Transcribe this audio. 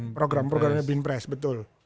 program programnya binpress betul